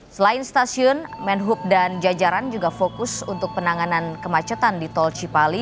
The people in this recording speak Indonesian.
selain stasiun menhub dan jajaran juga fokus untuk penanganan kemacetan di tol cipali